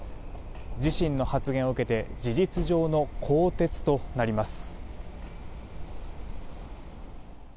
自身の発言を受けて事実上の更迭となります。